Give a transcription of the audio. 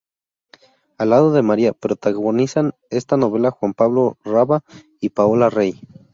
Al lado de María, protagonizan esta novela Juan Pablo Raba y Paola Rey.